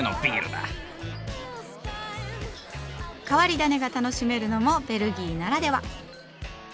変わり種が楽しめるのもベルギーならでは。